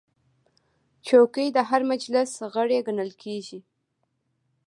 چوکۍ د هر مجلس غړی ګڼل کېږي.